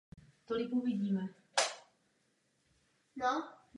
To je obecný pohled.